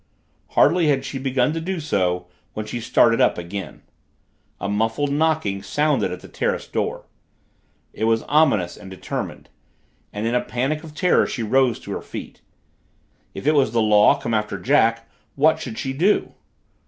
Hardly had she begun to do so when she started up again. A muffled knocking sounded at the terrace door. It was ominous and determined, and in a panic of terror she rose to her feet. If it was the law, come after Jack, what should she do?